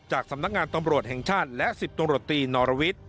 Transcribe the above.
สำนักงานตำรวจแห่งชาติและ๑๐ตำรวจตีนอรวิทย์